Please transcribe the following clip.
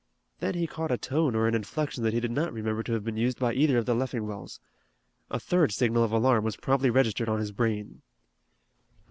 Then he caught a tone or an inflection that he did not remember to have been used by either of the Leffingwells. A third signal of alarm was promptly registered on his brain.